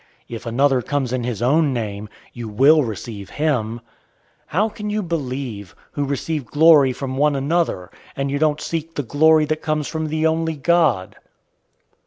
If another comes in his own name, you will receive him. 005:044 How can you believe, who receive glory from one another, and you don't seek the glory that comes from the only God?